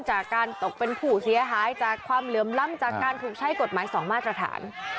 จากการตกเป็นผู้เสียหายจากความเหลื่อมล้ำจากการถูกใช้กฎหมาย๒มาตรฐาน